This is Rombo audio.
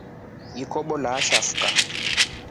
Ikobo iashafuka.